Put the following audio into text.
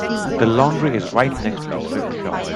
The laundry is right next to the thrift shop.